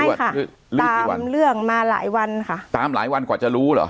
ตามเรื่องมาหลายวันค่ะตามหลายวันกว่าจะรู้เหรอ